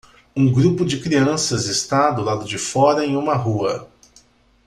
Um grupo de crianças está do lado de fora em uma rua.